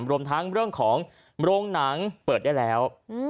รวมทั้งเรื่องของโรงหนังเปิดได้แล้ว